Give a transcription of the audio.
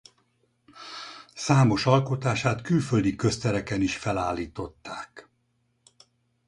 Számos alkotását külföldi köztereken is felállították.